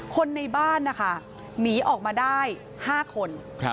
คนในบ้านนะคะหนีออกมาได้๕คน